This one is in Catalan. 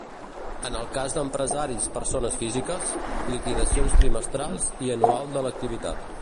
En el cas d'empresaris persones físiques, liquidacions trimestrals i anual de l'activitat.